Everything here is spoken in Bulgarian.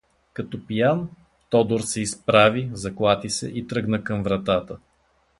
Като пиян, Тодор се изправи, заклати се и тръгна към вратата.